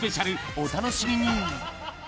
お楽しみに。